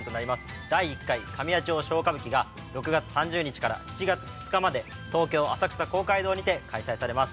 第一回『神谷町小歌舞伎』が６月３０日から７月２日まで東京浅草公会堂にて開催されます。